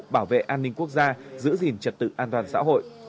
bảo vệ an ninh quốc gia giữ gìn trật tự an toàn xã hội